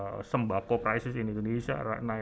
harga sembako di indonesia